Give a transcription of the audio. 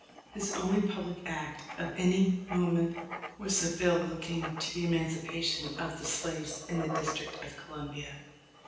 His only public act of any moment was a bill looking to the emancipation of the slaves in the District of Columbia.